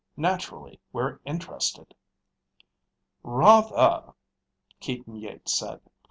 Naturally, we're interested." "Rather!" Keaton Yeats said.